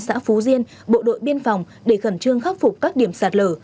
xã phú diên bộ đội biên phòng để khẩn trương khắc phục các điểm sạt lở